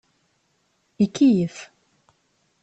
Ikeyyef.